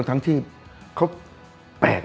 ทั้งที่เขาแปลก